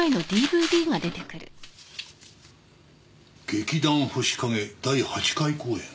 「劇団星影第８回公演」。